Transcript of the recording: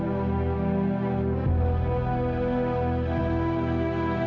aku akan mencintai kamila